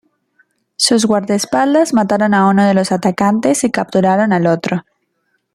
Sus guardaespaldas mataron a uno de los atacantes y capturaron al otro.